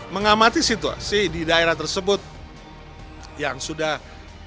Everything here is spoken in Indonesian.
mengamati situasi di daerah tersebut yang sudah tidak berhasil